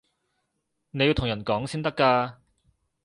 你要同人講先得㗎